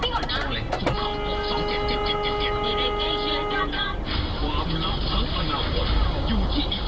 ถ้าเจอถูกวางเก้าส่วนต่างไปเลยอย่าลืมขอเที่ยมมาชอบพี่ก่อนนะ